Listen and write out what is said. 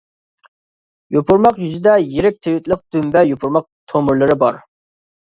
يوپۇرماق يۈزىدە يىرىك تىۋىتلىق دۈمبە يوپۇرماق تومۇرلىرى بار.